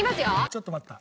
ちょっと待った。